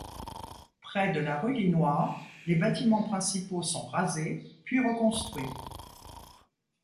Près de la rue Linois, les bâtiments principaux sont rasés puis reconstruits.